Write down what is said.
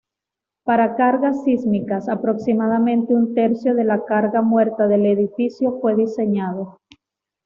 Para cargas sísmicas, aproximadamente un tercio de la carga muerta del edificio fue diseñado.